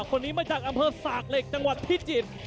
คนนี้มาจากอำเภอสากเหล็กจังหวัดพิจิตร